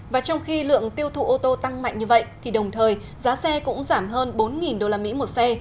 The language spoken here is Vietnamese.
và trong khi lượng tiêu thụ ô tô tăng mạnh như vậy thì đồng thời giá xe cũng giảm hơn bốn usd một xe